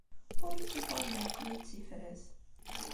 Ur d tuffɣa n leɛqel ay d tifrat.